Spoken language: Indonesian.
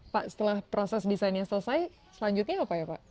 pak setelah proses desainnya selesai selanjutnya apa ya pak